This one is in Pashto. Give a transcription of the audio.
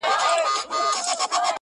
كه اورونه ابدي غواړئ بچيانو -